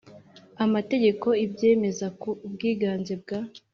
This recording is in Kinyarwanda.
Amategeko ibyemeza ku bwiganze bwa